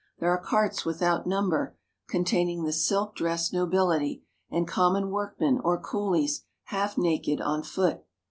There are carts without number containing the silk dressed nobility, and common workmen or coolies, half naked, on foot.